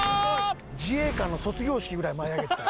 自衛官の卒業式ぐらい舞い上げてた。